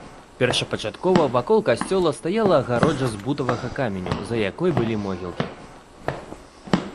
Першапачаткова вакол касцёла стаяла агароджа з бутавага каменю, за якой былі могілкі.